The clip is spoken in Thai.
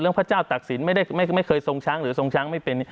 เรื่องพระเจ้าตักศิลป์ไม่เคยทรงชั้นหรือทรงชั้นไม่เป็น